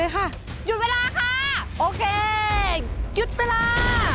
หยุดเวลาค่ะโอเคหยุดเวลา